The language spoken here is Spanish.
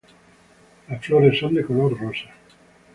Las flores son de color rosa.